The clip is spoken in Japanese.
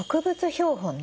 標本ね。